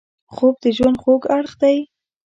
خوب د ژوند خوږ اړخ دی